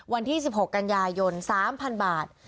วันที่๑๖กันยายน๓๐๐๐บาท